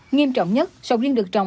nghiêm trọng nhất sầu riêng được trồng